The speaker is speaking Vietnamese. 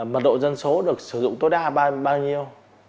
mật độ dân số được sử dụng tối đa bao nhiêu